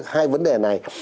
hai vấn đề này